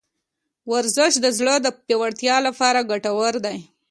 ورزش د زړه د پیاوړتیا لپاره ګټور دی.